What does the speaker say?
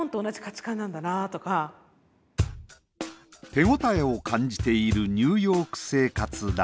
手応えを感じているニューヨーク生活だが。